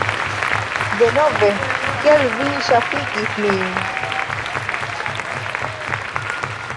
Ĉu denove? Kial vi ŝafigis min?